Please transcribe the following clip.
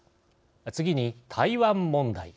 次に台湾問題。